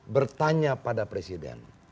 bertanya pada presiden